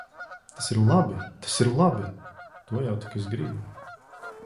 Tas ir labi! Tas ir labi! To jau tik es gribu.